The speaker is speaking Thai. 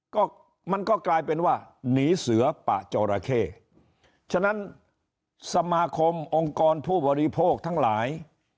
ก็มันก็กลายเป็นว่าหนีเสือปะจอราเข้ฉะนั้นสมาคมองค์กรผู้บริโภคทั้งหลาย